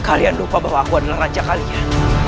kalian lupa bahwa aku adalah raja kalian